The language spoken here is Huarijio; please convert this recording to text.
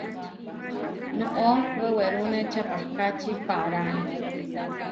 Noʼó wewerúne čapahkáči paaráe.